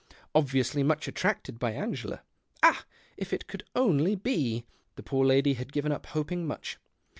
Obviously much attracted by Angela. Ah 1 if it could only be !" The poor lady had given up hoping much.